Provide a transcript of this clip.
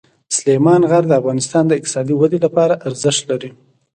سلیمان غر د افغانستان د اقتصادي ودې لپاره ارزښت لري.